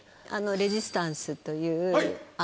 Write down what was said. レジスタンスという方。